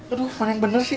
aduh mana yang bener sih